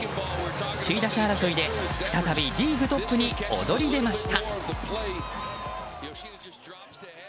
首位打者争いで再びリーグトップに躍り出ました。